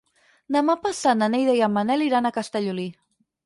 Demà passat na Neida i en Manel iran a Castellolí.